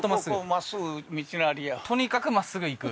まっすぐ道なりやとにかくまっすぐ行く？